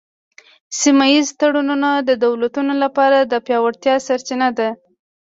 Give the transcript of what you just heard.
سیمه ایز تړونونه د دولتونو لپاره د پیاوړتیا سرچینه ده